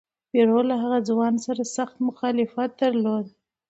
پیرو له هغه ځوان سره سخت مخالفت درلود.